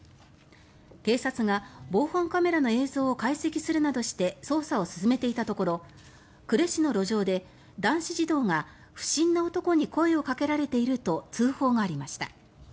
警察が防犯カメラの映像を解析するなどして捜査を進めていたところ呉市の路上で男子児童が不審な男に声をかけられていると通報がありました。